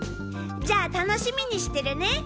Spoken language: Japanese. じゃあ楽しみにしてるね。